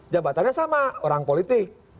jabatannya sama orang politik